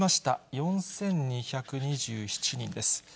４２２７人です。